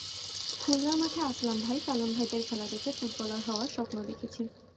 খুলনার মাঠে আসলাম ভাই, সালাম ভাইদের খেলা দেখে ফুটবলার হওয়ার স্বপ্ন দেখেছি।